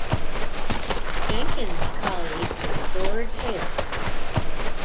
Jenkins' colleague was George Hele.